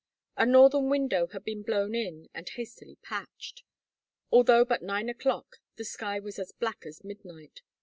A northern window had been blown in and hastily patched. Although but nine o'clock the sky was as black as midnight.